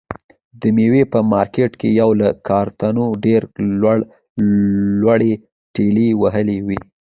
د مېوې په مارکېټ کې یې له کارتنو ډېرې لوړې لوړې ټلې وهلې وي.